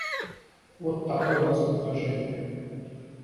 Вот такое у нас предложение.